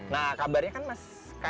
nah kabarnya kan mas